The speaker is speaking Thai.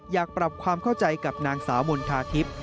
อยากปรับความเข้าใจกับนางสาวมณฑาทิพย์